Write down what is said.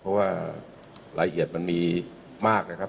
เพราะว่ารายละเอียดมันมีมากนะครับ